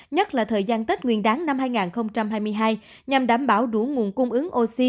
nhất là thời gian tết nguyên đáng năm hai nghìn hai mươi hai nhằm đảm bảo đủ nguồn cung ứng oxy